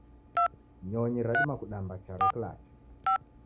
Nyonyi radima kudamba charo kilacha